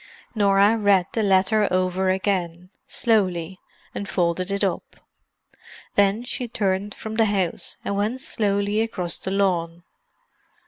Norah read the letter over again, slowly, and folded it up. Then she turned from the house, and went slowly across the lawn.